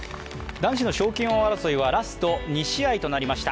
男子の賞金王争いはラスト２試合となりました。